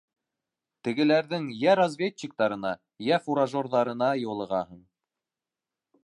Тегеләрҙең йә разведчиктарына, йә фуражерҙарына юлығаһың.